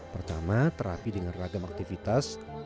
pertama terapi dengan ragam aktivitas